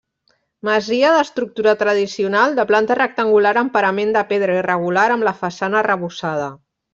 Masia d'estructura tradicional, de planta rectangular amb parament de pedra irregular amb la façana arrebossada.